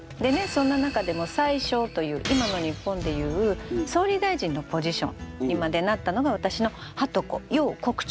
そんな中でも宰相という今の日本で言う総理大臣のポジションにまでなったのが私のはとこ楊国忠。